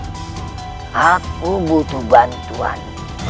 oh aku butuh bantuan